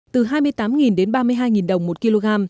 từ hai mươi tám đến ba mươi hai đồng một kg